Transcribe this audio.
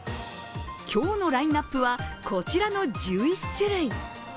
今日のラインナップはこちらの１１種類。